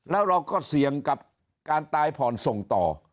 แล้วเราก็เสี่ยงกับการตายผ่อนส่งต่อ